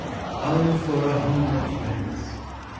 Oh, for a home of rest!